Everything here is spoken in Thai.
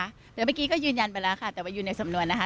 เดี๋ยวเมื่อกี้ก็ยืนยันไปแล้วค่ะแต่ว่าอยู่ในสำนวนนะคะ